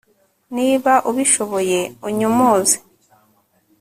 niba ubishoboye, unyomoze